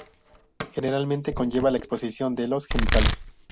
Generalmente, conlleva la exposición de los genitales.